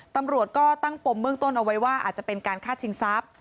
ตำรวจก็ตั้งปมเบื้องต้นเอาไว้ว่าอาจจะเป็นการฆ่าชิงทรัพย์